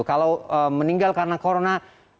kalau meninggal karena corona